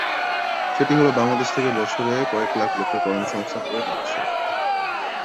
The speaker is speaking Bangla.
সেটি হলে বাংলাদেশ থেকে বছরে কয়েক লাখ লোকের কর্মসংস্থান হবে মালয়েশিয়ায়।